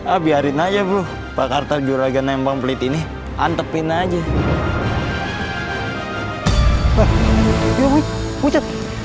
abiarin aja bu pakartal juragan nempang pelit ini antepin aja